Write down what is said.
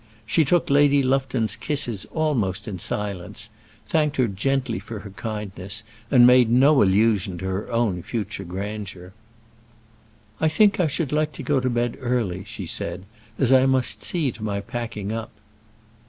She took Lady Lufton's kisses almost in silence, thanked her gently for her kindness, and made no allusion to her own future grandeur. "I think I should like to go to bed early," she said, "as I must see to my packing up."